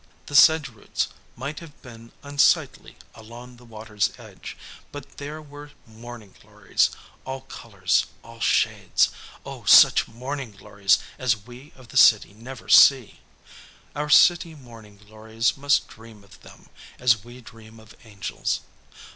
The sedge roots might have been unsightly along the water's edge, but there were morning glories, all colors, all shades oh, such morning glories as we of the city never see! Our city morning glories must dream of them, as we dream of angels.